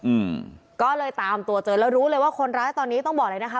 อืมก็เลยตามตัวเจอแล้วรู้เลยว่าคนร้ายตอนนี้ต้องบอกเลยนะคะ